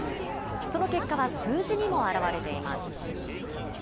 その結果は数字にも表れています。